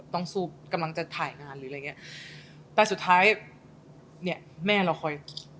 ต้องสู้กำลังจะถ่ายงานหรืออะไรอย่างเงี้ยแต่สุดท้ายเนี่ยแม่เราคอย